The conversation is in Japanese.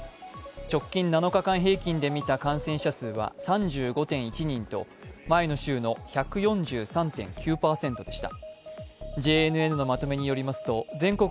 直近７日間平均で見た感染者数は３５．１人と前の週の１４３．９％でした。